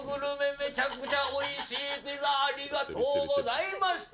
めちゃくちゃおいしいピザ、ありがとうございました。